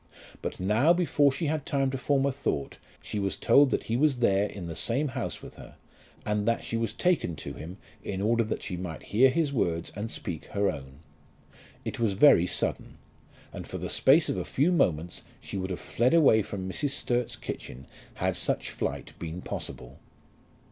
But now before she had time to form a thought, she was told that he was there in the same house with her, and that she was taken to him in order that she might hear his words and speak her own. It was very sudden; and for the space of a few moments she would have fled away from Mrs. Sturt's kitchen had such flight been possible.